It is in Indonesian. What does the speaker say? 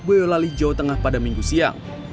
boyolali jawa tengah pada minggu siang